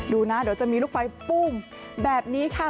ดูนะเดี๋ยวจะมีลูกไฟปุ้มแบบนี้ค่ะ